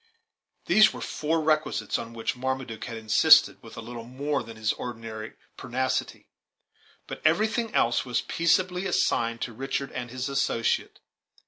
These were four requisites, on which Marmaduke had insisted with a little more than his ordinary pertinacity. But everything else was peaceably assigned to Richard and his associate.